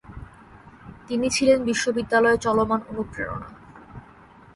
তিনি ছিলেন বিশ্ববিদ্যালয়ের চলমান অণুপ্রেরণা।